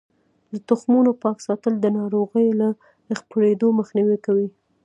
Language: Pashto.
د تخمونو پاک ساتل د ناروغیو له خپریدو مخنیوی کوي.